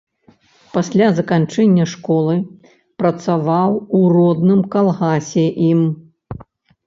Пасля заканчэння школы, працаваў у родным калгасе ім.